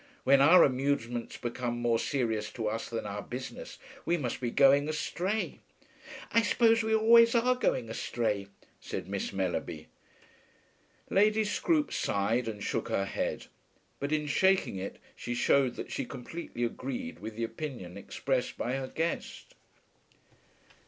When our amusements become more serious to us than our business, we must be going astray." "I suppose we always are going astray," said Miss Mellerby. Lady Scroope sighed and shook her head; but in shaking it she shewed that she completely agreed with the opinion expressed by her guest.